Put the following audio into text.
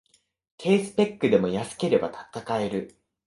低スペックでも安ければ戦える